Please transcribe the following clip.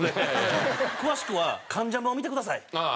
詳しくは『関ジャム』を見てください。